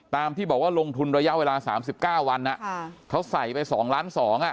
ที่บอกว่าลงทุนระยะเวลา๓๙วันเขาใส่ไป๒ล้าน๒อ่ะ